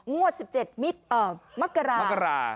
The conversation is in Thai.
งวด๑๗มิตรเอ่อมกรา